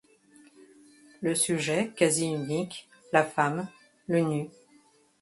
Le sujet quasi unique, la femme, le nu.